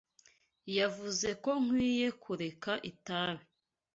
Yavuze ko nkwiye kureka itabi.